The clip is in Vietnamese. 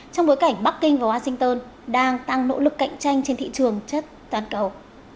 trong bối cảnh bắc kinh và washington đang tăng nỗ lực cạnh tranh trên thị trường chất toàn cầu